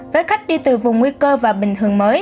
với khách đi từ vùng nguy cơ và bình thường mới